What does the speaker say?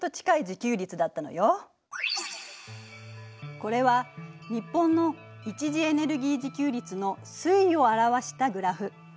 これは日本の一次エネルギー自給率の推移を表したグラフ。